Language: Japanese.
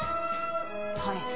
はい。